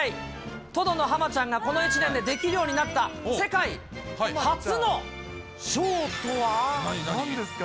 トドのハマちゃんがこの１年でできるようになった、世界初のショなんですか。